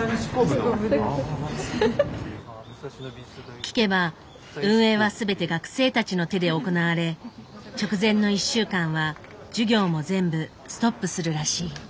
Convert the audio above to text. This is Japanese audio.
聞けば運営は全て学生たちの手で行われ直前の１週間は授業も全部ストップするらしい。